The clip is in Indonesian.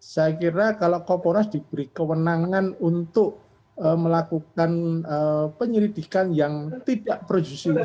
saya kira kalau kompolnas diberi kewenangan untuk melakukan penyelidikan yang tidak produsif